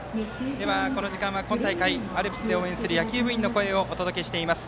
この時間は今大会アルプスで応援する野球部員の声をお伝えしています。